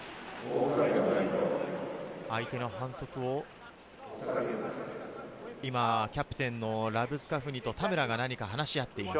相手の反則を今、キャプテンのラブスカフニと田村が何か話し合っています。